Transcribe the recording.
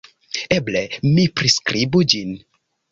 Eble mi priskribu ĝin.